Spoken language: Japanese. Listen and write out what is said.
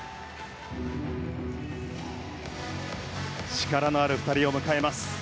力のある２人を迎えます。